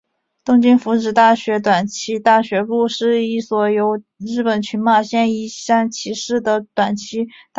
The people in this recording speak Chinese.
东京福祉大学短期大学部是一所位于日本群马县伊势崎市的私立短期大学。